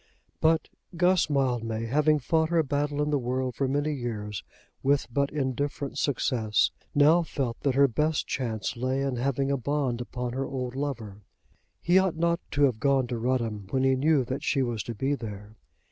But Guss Mildmay, having fought her battle in the world for many years with but indifferent success, now felt that her best chance lay in having a bond upon her old lover. He ought not to have gone to Rudham when he knew that she was to be there.